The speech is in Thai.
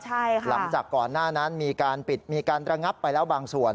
ใช่ค่ะหลังจากก่อนหน้านั้นมีการปิดมีการระงับไปแล้วบางส่วน